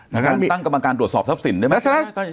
ในการตั้งกรรมการตรวจสอบทรัพย์สินได้ไหม